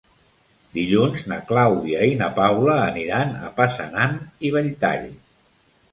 Dilluns na Clàudia i na Paula aniran a Passanant i Belltall.